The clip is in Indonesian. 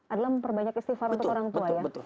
adalah memperbanyak istighfar untuk orang tua ya